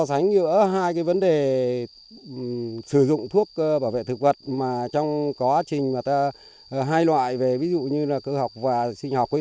sánh giữa hai cái vấn đề sử dụng thuốc bảo vệ thực vật mà trong quá trình mà ta hai loại về ví dụ như là cơ học và sinh học